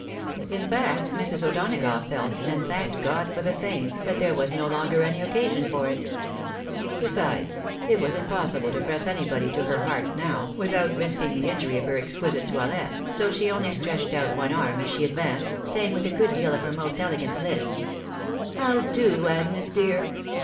In fact, Mrs. O'Donagougli felt, and tl tanked God for the same, that there was no longer any occasion for it ; besides, it was impossible to press anybody to her heart now, without risking the injury of her exquisite toilet, so she only stretched out one arm as she advanced, saying with a good deal of her most elegant hsp, " How do, Agnes, dear